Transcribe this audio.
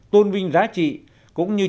tôn vinh giá trị cũng như